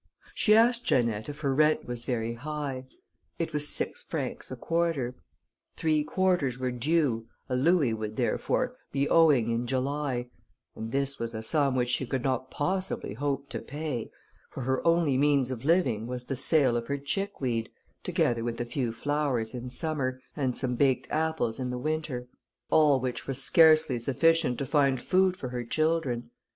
She asked Janette if her rent was very high. It was six francs a quarter. Three quarters were due, a louis would, therefore, be owing in July; and this was a sum which she could not possibly hope to pay, for her only means of living was the sale of her chickweed, together with a few flowers in summer, and some baked apples in the winter, all which was scarcely sufficient to find food for her children.